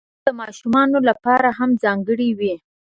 بوټونه د ماشومانو لپاره هم ځانګړي وي.